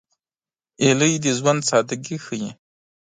هیلۍ د ژوند سادګي ښيي